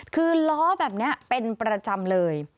คือล้อแบบนี้เป็นประจำเลย